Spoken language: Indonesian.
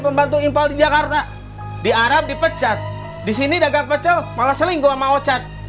pembantu infal di jakarta di arab dipecat di sini dagang pecel malah selingkuh mau cat